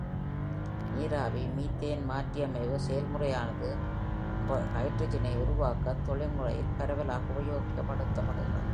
நீராவி மீத்தேன் மாற்றியமைவு செயல்முறையானது ஹைட்ரஜனை உருவாக்க தொழில்துறையில் பரவலாக உபயோகப்படுத்தப்படுகிறது.